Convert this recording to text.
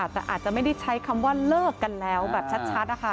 แต่อาจจะไม่ได้ใช้คำว่าเลิกกันแล้วแบบชัด